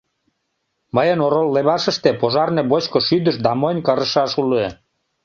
Мыйын орол левашыште пожарне бочко шӱдыш да монь кырышаш уло.